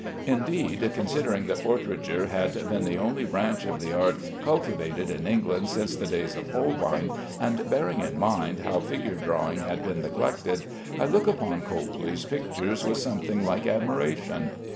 Indeed, considering that portraiture had been the only branch of the art cultivated in England since the days of Holbein, and bearing in mind how figure drawing had been neglected, I look upon Copley's pictures with something like admiration.